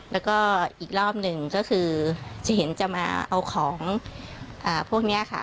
แล้วก็อีกรอบหนึ่งก็คือจะเห็นจะมาเอาของพวกนี้ค่ะ